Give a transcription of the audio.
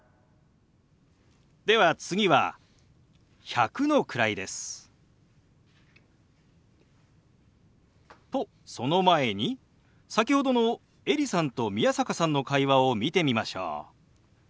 では次は１００の位です。とその前に先ほどのエリさんと宮坂さんの会話を見てみましょう。